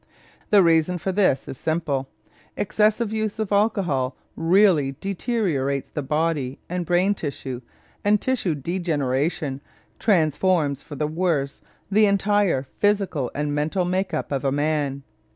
The reason for this is simple. Excessive use of alcohol really deteriorates body and brain tissue, and tissue degeneration transforms for the worse the entire physical and mental make up of a man.